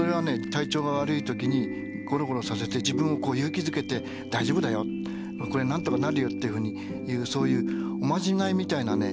体調が悪い時にゴロゴロさせて自分を勇気づけて「大丈夫だよこれなんとかなるよ」っていうふうにそういうおまじないみたいなね